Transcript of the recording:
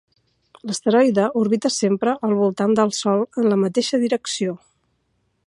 L'asteroide orbita sempre al voltant del Sol en la mateixa direcció.